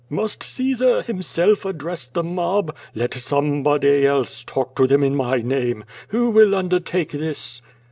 "Must Caesar himself address the mob? Let some1>ody else talk to them in my name. Who will undertake this?"